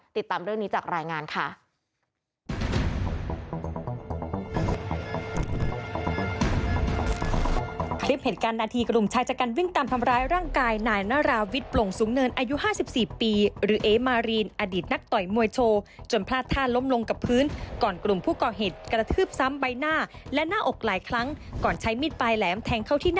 ติดตามเรื่องนี้จากรายงานค่ะ